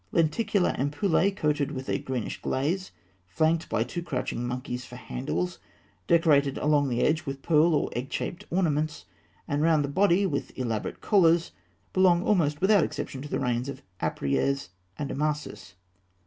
Lenticular ampullae coated with a greenish glaze, flanked by two crouching monkeys for handles, decorated along the edge with pearl or egg shaped ornaments, and round the body with elaborate collars (fig. 234), belong almost without exception to the reigns of Apries and Amasis.